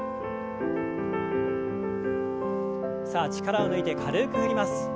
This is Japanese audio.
さあ力を抜いて軽く振ります。